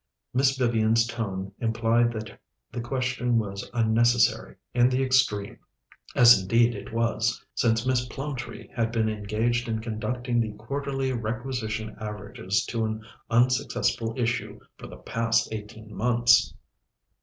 Miss Vivian's tone implied that the question was unnecessary in the extreme, as indeed it was, since Miss Plumtree had been engaged in conducting the quarterly Requisition Averages to an unsuccessful issue for the past eighteen months.